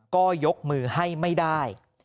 ก็ยกมือให้ไม่ได้